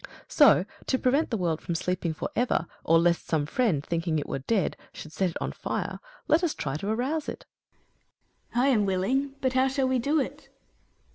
So, to prevent the world from sleeping for ever, or lest some friend, thinking it were dead, should set it on fire, let us try to arouse it. Atlas. I am willing. But how shall we do it